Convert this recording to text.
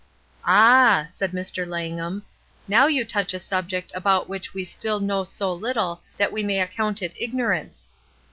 ''Ah!" said Mr. Langham, "now you touch a subject about which we still know so Uttle that we may account it ignorance.